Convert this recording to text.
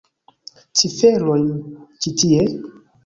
Ciferojn ĉi tie?